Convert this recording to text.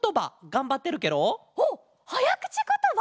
おっはやくちことば？